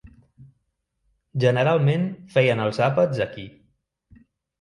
Generalment feien els àpats aquí.